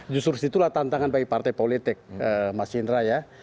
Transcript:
justru situlah tantangan bagi partai politik mas indra ya